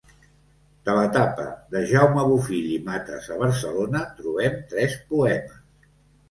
De l’etapa de Jaume Bofill i Mates a Barcelona trobem tres poemes.